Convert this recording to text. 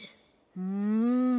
うん。